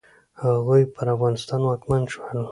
هغوی پر افغانستان واکمن شول.